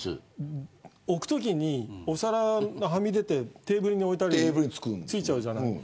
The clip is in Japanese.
置くときにお皿はみ出てテーブルに付いちゃうじゃない。